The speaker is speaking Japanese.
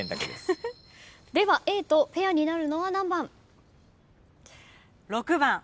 ではＡとペアになるのは何番？